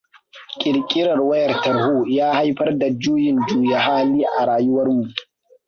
Kirkirar wayar tarho ya haifar da juyin juya halin a rayuwarmu.